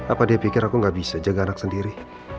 apa dia pikir aku gak bisa jaga anak sendiri